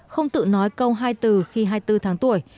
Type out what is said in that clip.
không tự nói câu hai từ khi hai mươi bốn tháng tuổi